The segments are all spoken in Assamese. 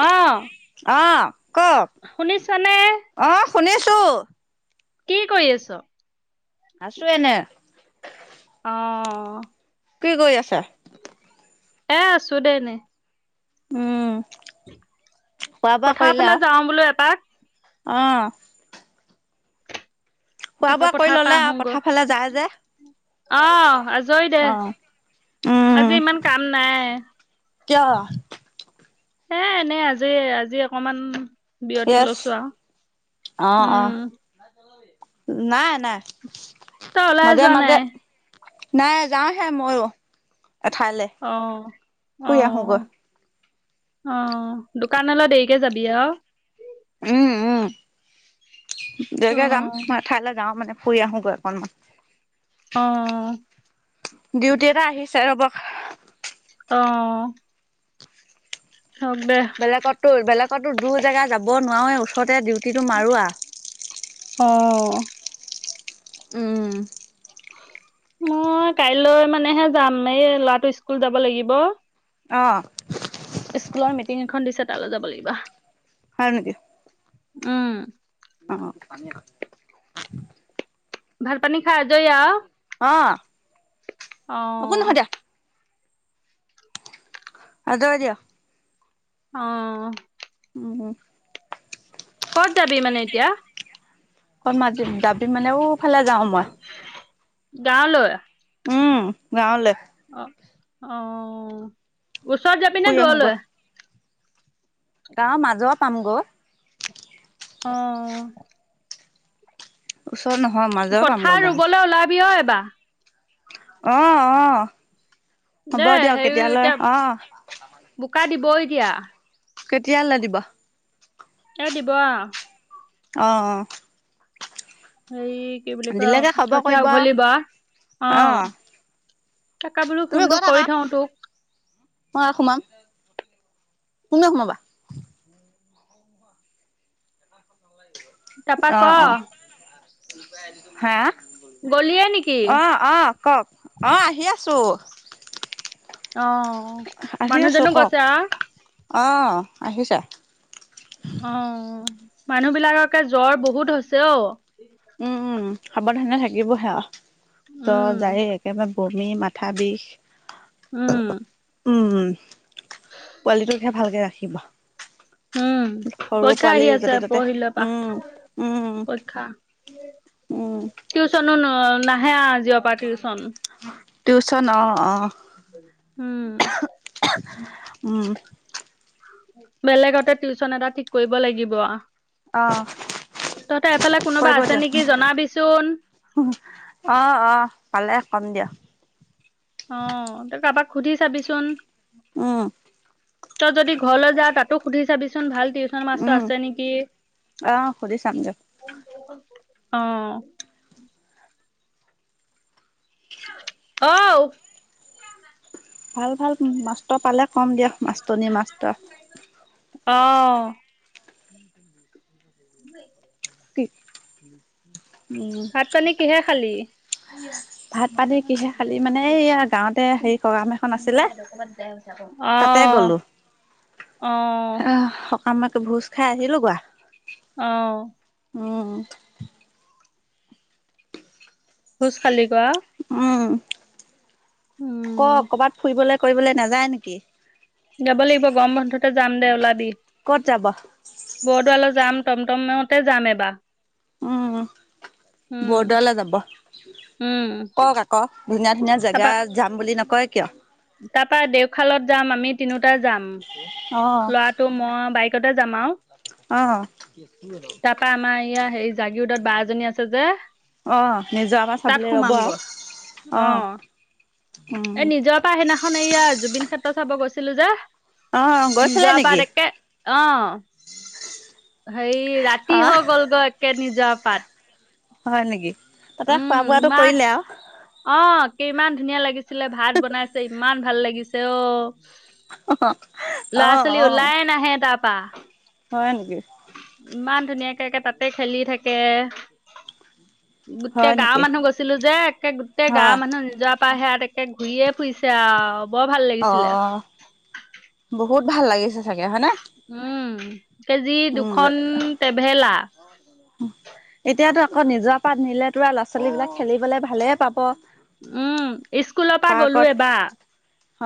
অ'। আহ কওক অ শুনিছ তু [unintelligible] কি কৈ আছ? আছো এনে। অ। কি কৈ আছা? এ আছো দে এনেই। উম। খোৱা বোৱা পথাৰ কৰিলে ফালে আৰু যাওঁ বোলো এপাক। অ। খোৱা তাৰপৰা বোৱা কৰি পথাৰ পৰা ললে আৰু পথাৰ ফালে যায় আহোগৈ যে অ আজৰি দে অ উম আজি ইমান কাম নাই। কিয়? এ এনেই আজি অকমান বিৰতি য়েছ লৈছোঁ অ আৰু অ উম। নাই নাই! তই ওলাই মাজে যোৱা মাজে নাই? নাই যাওঁহে ময়ো এঠালে অ অ শুই আহোগৈ। অ দোকানলৈ দেৰিকে যাবি অৰু উম উম। অ দেৰিকে যাম মই ঠাইলৈ যাওঁ মানে শুই অহোগৈ অকনমান। অহ ডিউটি এটা আহিছে ৰব। অ। হওক দে বেলেগত টো বেলেগ কত টো দূৰ জেগা যাব নোৱাৰে ওচৰতে দিও হিতো মাৰোৱা অ। উম। মই কাইলৈ মানেহে যাম এই ল'ৰাটো স্কুল যাব লাগিব। অ। স্কুলৰ মিটিং এখন দিছে তালৈ যাব লাগিব। হয় নেকি? উম। অ অ। ভাত-পানী খাই আজৰি আৰু অ অ একো নহয় দিয়া আঁতৰাই দিয়া অ। অ। কত যাবি মানে এতিয়া? কত মাজিব যাবি মানেওফালে যাও মই। গাঁৱলৈ। উমহ গাঁও লে অ অ ওচৰত যাবি নে ফুৰি দুৱলৈ আহোগৈ গাঁৱৰ মাজৰ পামগৈ অ' ওচৰ নহয় মাজৰ পামগৈ পথাৰ গাঁও ৰুবলৈ ওলাবি ঐ। বাহ [unintelligible] অ' অ' হ'ব দেই দিয়ক হেৰি তেতিয়া হ'লে। অ' বৈ দিয়া। কেতিয়ালে দিব? এ দিব আও। অ' অ' হেই কি বুলি কয় দিলেগে খবৰ কঠীয়া কৰিব উঘলিব অ' তাকে বোলো তুমি ফোনটো গৈ কৰি থাকা থওঁ তোক। মই সোমাম, তুমিওঁ সোমাবা? তাপা ক? অ অ হা' গলিয়ে নিকি? কওঁক অ' আহি আছোঁ। অ' অ' মানুহজনো গৈছে আৰু। অঁ, আহিছা? অ' মানুহ বিলাককে জ্বৰ বহুত হৈছে অ'। উম উম সাৱধানে থাকিবহে আও। ত উম যায় একেবাৰে বমি, মাথা বিষ উম উম পোৱালিটোকহে ভালকে ৰাখিবা। উম পৰীক্ষা আহি আছে, ত'তে পৰহিলৈ পা, উম উম পৰীক্ষা, উম টিউচনো না হি হে আজিএ পা টিউচন। টিউচন অ' অ' উম উম বেলেগতে টিউচন এটা ঠিক কৰিব লাগিব আ অ', কোনোবা কৰিব আছে দিয়ক, নেকি জনাবিচোন অ, অ, পালে কম দিয়ক। অ তই কাৰোবাক সুধি চাবিচোন। উম তই যদি ঘৰলৈ যাৱ, তাতো সুধি চাবিচোন, ভাল টিউচন মাষ্টৰ উম আছে নেকি। অ সুধি চাম দিয়ক অ' ঔ ভাল, ভাল মাষ্টৰ পালে। কম দিয়া, মাষ্টৰনী-মাষ্টৰ। অ। [unintelligible] কি। উম ভাত পানী কিহে খালি, ভাত পানী কিহে খালি মানে এইয়া গাঁৱতে হেৰি সকাম এখন আছিলে [unintelligible] অ, তাতে গ'লো অ। আমাকে ভোজ, খাই আহিলোঁ গোৱা। অ। উম। ভুজ খালি গো। উম, ক, কবাত ফুৰিবলে। ফুৰিবলৈ নাযায় নেকি? যাব লাগিব, গৰম বন্ধতে যাম দে ওলাবি। ক'ত যাব? বৰদোৱালৈ যাম। টম, টমতে যাম এবাৰ। উম, উম, বৰদোৱালে যাব, উম, কওঁক আকৌ, ধুনীয়া, ধুনীয়া জেগা যাম বুলি নক। কয় কিয়? তাৰপৰা দেওঁশালত যাম, আমি তিনিটা যাম। অ', ল'ৰাটো, মই বাইক। ক'তে যাম আৰু। অ। [unintelligible] সেই, জাগীৰোডত বা এজনী আছে যে। অ, নিজৰাপাৰ, তাত চাবলৈ ৰৱ সোমামগৈ অ, এই উম। নিজৰ পৰা সেইদিনাখন, এয়া জুবিন ক্ষেত্ৰ, চাব গৈছিলোঁ যে। অ, গৈছিলা নিজৰ পাত নেকি? একে অ। সেই ৰাতি অ' হৈ গ'ল গৈ একে নিজে। যোৱা পাত। হয়, নেকি। তাতে উম, খোৱা-বোৱাটো ইমান কৰিলে আৰু। অ, কিমান ধুনীয়া লাগিছিলে, ভাত বনাইছে, ইমান ভাল লাগিছে, অ। অ', লৰা-ছোৱালী অ', উলাইয়ে নাহে তাৰপৰা। হয় নেকি। ইমান ধুনীয়াকে তাতে খেলি থাকে। গোটেই হয় গাঁৱৰ নেকি? মানুহ গৈছিলোঁ যে একে। গাওঁৰ হয় মানুহ নিজ। [unintelligible] তে ঘূৰিয়ে ফুৰিছে আউ। বৰ ভাল লাগিছিলে। অ', বহুত ভাল লাগিছে চাগে হয়নে? উম! কেজি দুখন উম, টেভেলাৰ এতিয়াতো আকৌ নিজৰ পাত নিলে তোৰা ল'ৰা ছোৱালীবিলাক খেলিবলৈ ভালে পাব উম স্কুলৰ পৰা গ'লো পাৰ্কত এইবাৰ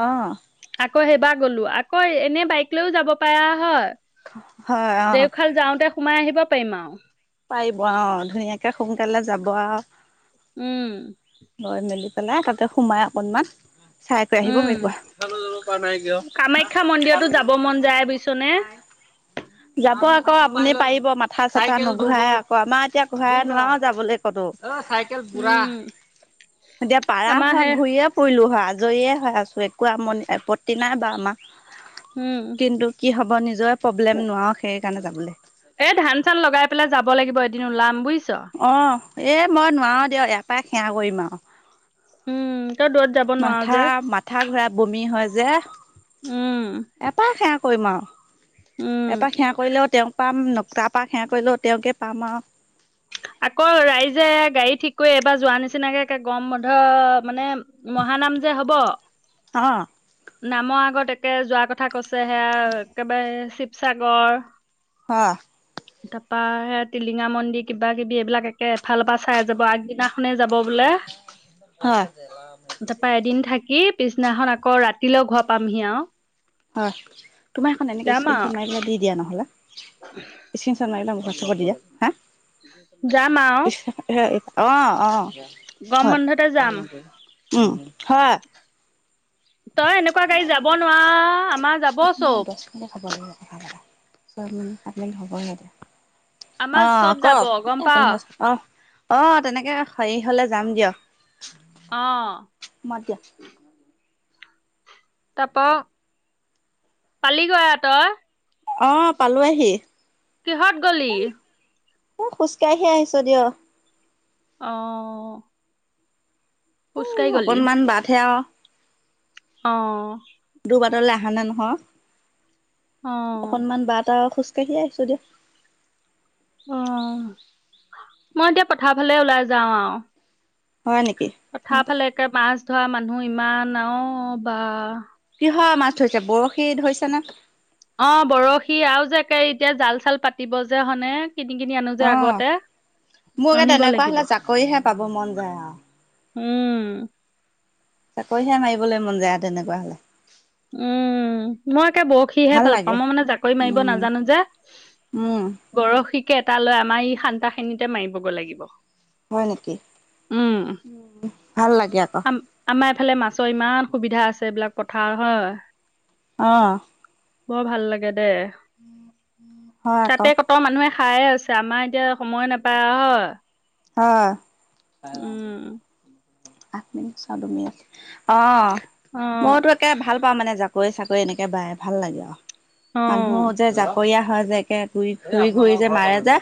অ আকৌ সেইবাৰ গ'লো আকৌ এনে বাইক লৈও যাব পাৰা হয় হয় অ দেওশাল যাওঁতে সোমাই আহিব পাৰিম আৰু পাৰিব আহ ধুনীয়াকে সোনকালে যাব আৰু উম হয় মেলি পেলাই তাতে সোমাই অকনমান চাই কৈ আহিব উম। পাৰিব। কামাখ্যা মন্দিৰতো যাব মন যায় বুজিছনে যাব আকৌ আপুনি পাৰিব মাথা চাথা নুঘূৰাই আকৌ আমাৰ এতিয়া ঘূৰাই নোৱাৰো যাবলৈ ক'তো অ চাইকেল বুঢ়া উম এতিয়া পাৰা আমাৰ হয় সে ঘূৰিয়ে ফুৰি লো হয় আজৰিয়ে হয় আছোঁ [unintelligible] উম [unintelligible] কিন্তু কি হ' নিজৰ প্ৰব্লেম নোৱাৰো সেই সেইকাৰণে যাবলৈ এ ধান চান লগাই পেলাই যাব লাগিব এদিন ওলাম বুজিছ অ। এ মই নোৱাৰো দিয়ক ইয়াৰ পৰাই সেৱা কৰিম আৰু উম তই দূৰত যাব নোৱাৰ মাথা যে মাথা ঘূৰাই বমি হয় যে উম ইয়াৰপাই সেৱা কৰিম আৰু উম এপা সেৱা কৰিলেও তেওঁক পাম ন তাৰ পৰা সেৱা কৰিলো তেওঁকে পাম আৰু। আকৌ ৰাইজে গাড়ী ঠিক কৰি এইবাৰ যোৱা নিচিনাকেে গৰম বধ মানে মহানাম যে হব। অ নামৰ আগত একে যোৱাৰ কথা কৈছেহে সেয়া একেবাৰে শিৱসাগৰ। হয়। তাৰপৰা সেয়া টিলিঙা মন্দিৰ কিবা কিবা কিবি এইবিলাক একে এফালৰ পৰা চাই যাব আগদিনাখনে যাব বোলে, হয় তাৰপৰা এদিন থাকি পিছদিনাখন আকৌ ৰাতিলৈ ঘোৱা পামহি আৰু। হয়, তোমাৰ এখন এনেকে যাম স্ক্ৰীনশত আৰু মাৰি পেলাই দি দিয়া নহলে। যাম আৰু [unintelligible] [unintelligible] [unintelligible] অ, অ,। গৰম হয়, বন্ধতে যাম উম, হয়। [inaudible] [unintelligible] তই এনেকুৱা গাড়ী যাব নোৱাৰ আমাৰ যাব চব অ আমাৰ চব যাব গম কওক পাৱ [unintelligible] অ তেনেকে [unintelligible] [unintelligible] হ'লে যাম দিয়ক, অ মই দিয়া। তা-প পালিগৈ আ-তই। অ পালো আহি। কিহত গলি। অ খোজ কাঢ়িহে আহিছো দিয়ক। অ। উ খোজকাঢ়ি গলি অকনমান বাধে আৰু। অ। তোৰ বাটলৈ আহা নাই অ নহয়। অকনমান বাট আৰু খোজ [unintelligible] অ, মই এতিয়া পথাৰ ফালে ওলাই যাও আৰু। হয় নেকি পঠাৰ ফালে একে মাছ থোৱা মানুহ ইমান অ-বা। কিহৰ মাছ ধৰিছে বৰশী ধৰিছে নে। অ বৰশী আৰু যে একে এতিয়া জাল-চাল পাতিব যে হনে। কিনি কিনি আনো যে অহ আগতে মোৰ যে আনিব তেনেকুৱা লাগিব হলে জাকৈ হে বাব মন যাই আৰু। উম। জাকৈ হে মাৰিবলৈ মন যায় তেনেকুৱা হলে। উম, মই একে বৰশীহে ভাল পাওঁ মই মানে জাকৈ মাৰিব উম নাজানো যে, উম বৰশীক। এটা লৈ আমাৰ এই খান্দা খিনিতে মাৰিবগৈ লাগিব। হয় নেকি? উম উম ভাল লাগে আকৌ। ইফালে মাছৰ ইমান সুবিধা আছে এইবিলাক পথাৰ। হয়। অ'। বৰ ভাল লাগে দেই। হয় আকৌ তাতে ক'ত মানুহে। খায়েই আছে আমাৰ এতিয়া সময় নাপায় আৰু হয়। হয়। উম [unintelligible] আঠ মিনিট। [unintelligible] অ', অ মইতো একে ভাল পাওঁ মানে জাকৈ। জাকৈ-চাকৈ এনেকে বায় ভাল লাগে আৰু। অ মানুহ যে জাকৰীয়া। যে একে ঘূৰি ঘূৰি যে মাৰে যে।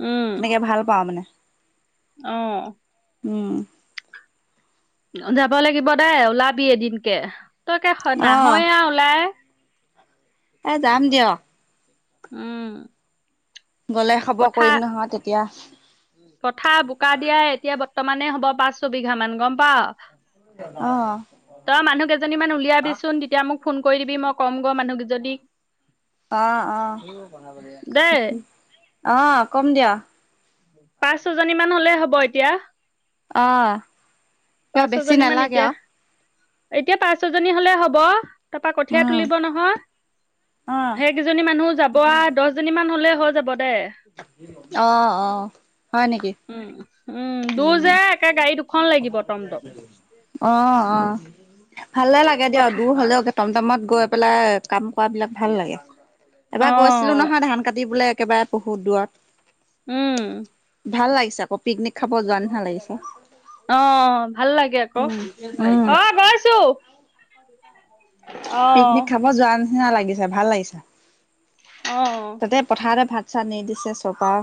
উম তেনেকে ভাল পাওঁ মানে। অ'। উম। যাব লাগিব দেই ওলাবি এদিনকে। তই কে স অ নাহয়ে ওলাই। এ যাম দিয়ক। উম। গ'লে খবৰ পথাৰ কৰিম নহয় তেতিয়া। পথাৰ বোকা দিয়া এতিয়া। বৰ্তমানে হ'ব পাঁচ ছবিঘা মান গম অ পাৱ। তই মানুহ কেইজনী মান উলিয়াবি চোন তেতিয়া মোক। ফোন কৰি দিবি মই কম গৈ মানুহ কিজনীক। অ', অ', দেই অ' কম দিয়ক। পাঁচ ছয় জনী মান হলেই হ'ব এতিয়া। অ' কিয় পাঁচ বেছি ছজনী মান নালাগে এতিয়া আৰু। এতিয়া পাঁচ ছয় জনী হলে হ'ব। তাৰপা কঠীয়া উম তুলিব নহয়, অ সেইকেইজনী মানুও যাব আৰু দহজনীমান হলেই। হৈ যাব। দে অ'অ' অ হয় নেকি উম উম দূৰ ওম যে একে গাড়ী দুখন লাগিব টমটম [unintelligible] অ অ। ভালে লাগে দিয়ক কথা দূৰ হলেও একে টমটমত গৈ পেলাই কাম কৰা বিলাক ভাল লাগে। এবাৰ গৈছিলো নহয় অ ধান কাটি বোলেক। কেবাৰেত বহু দুৱাত উম। ভাল লাগিছে আক পিকনিক খাব যোৱা নিচিনা লাগিছে। অ ভাল লাগে আকৌ উম অ উম গৈছো। অ পিকনিক খাব যোৱা ন। নালাগে লাগিছা ভাল লাগিছা। অ তাতে পথাৰতে ভাত চানি দিছে চপা।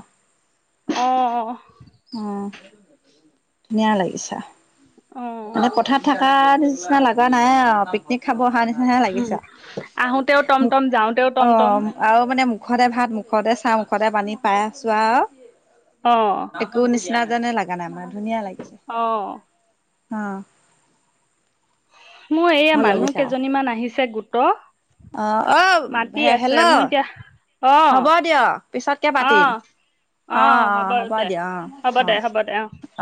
আহ, উম ধুনীয়া লাগিছা। অ পথাৰত থাক। তাৰ নিচিনা লগা নাই অ পিকনিক খাব। অ তাৰ নিচিনা হে লাগিছা আহোতেও মোক টমটম যাওঁতেও অ টমটম আৰু মানে মুখতে ভাত মুখতে চা মুখতে পানী পাই আছো আৰু অ এক ক নিচনা। আনে লাগা নাই আমাৰ ধুনীয়া লাগিছে। অ আহ, মোৰ এইয়া মানুহ কেইজনীমান আহিছে গোট ত' অ', অ', হে-হেল্ল'! এতিয়া অ হ'ব দিয় পিছতকে অ পাতিম, অ', অ', হ'ব দিয় অ', হ'ব দে অ', হ'ব দে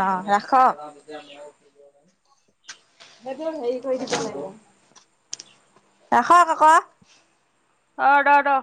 অ', ৰাখক। জানোঁ আৰু [unintelligible] হেইটো হেৰি কৰি দিব লাগিব, ৰাখক আকৌ। অ', ৰ, ৰ'।